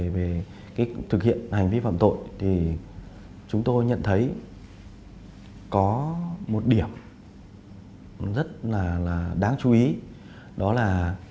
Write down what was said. về thực hiện hành vi phạm tội thì chúng tôi nhận thấy có một điểm rất là đáng chú ý đó là